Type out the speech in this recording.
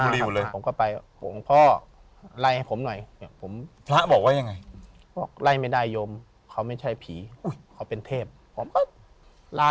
เดินมากับประมาณ๕เมตร